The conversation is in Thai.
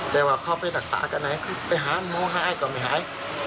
แต่ว่าเขาไปรักษากันไหนไปหาโม้ไห้ก็ไม่หาย